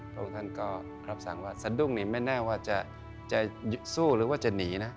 พระองค์ท่านก็รับสั่งว่าสะดุ้งนี่ไม่แน่ว่าจะสู้หรือว่าจะหนีนะ